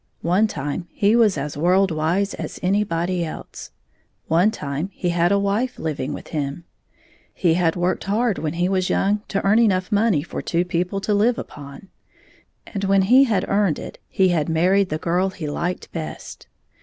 One time he was as world wise as anybody else. One time he had a wife living with him. He had 13 worked hard when he was young to earn enough money for two people to live upon, and when he had earned it he had married the girl he liked best.